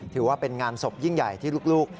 ถือว่าเป็นงานศพยิ่งใหญ่ที่ลูก